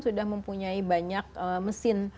sudah mempunyai banyak mesin